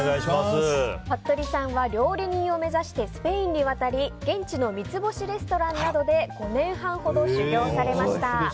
服部さんは料理人を目指してスペインに渡り現地の三つ星レストランなどで５年半ほど修業されました。